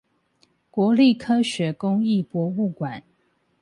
國立科學工藝博物館